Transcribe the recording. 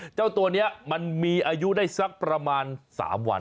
เจ้าตัวนี้มันมีอายุได้สักประมาณ๓วัน